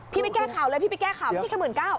พี่ไม่แก้ข่าวเลยพี่ไปแก้ข่าวไม่ใช่แค่หมื่นเก้า